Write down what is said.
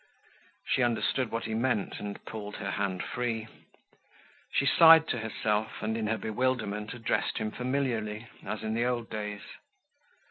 She understood what he meant and pulled her hand free. She sighed to herself, and, in her bewilderment, addressed him familiarly, as in the old days.